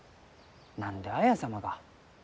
何で綾様が。